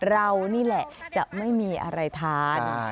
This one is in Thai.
เรานี่แหละจะไม่มีอะไรทาน